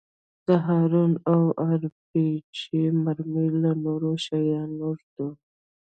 د هاوان او ار پي جي مرمۍ او نور شيان ږدو.